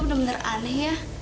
kamu tuh bener bener aneh ya